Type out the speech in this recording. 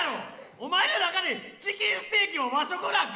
お前の中でチキンステーキは和食なんか？